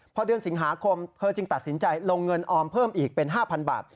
พอเดือนสิงหาคมเธอจึงตัดสินใจลงเงินออมเพิ่มอีกเป็น๕๐๐บาท